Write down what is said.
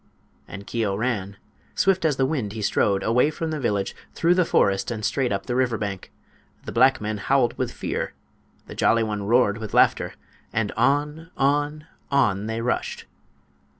And Keo ran. Swift as the wind he strode, away from the village, through the forest and straight up the river bank. The black men howled with fear; the Jolly One roared with laughter; and on, on, on they rushed!